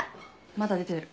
まだ出てる。